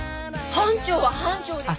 班長は班長です。